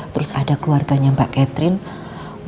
terus ada keluarganya mbak catherine